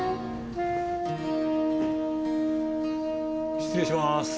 失礼します。